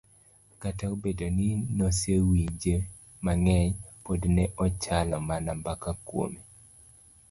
kata obedo ni nosewinje mang'eny, pod ne ochalo mana mbaka kuome.